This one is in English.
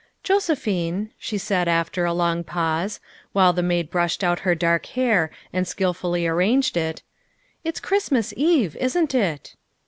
" Josephine," she said after a long pause, while the maid brushed out her dark hair and skilfully arranged it, "it's Christmas Eve, isn't it?"